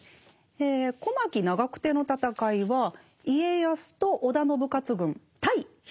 小牧・長久手の戦いは家康と織田信雄軍対秀吉ですね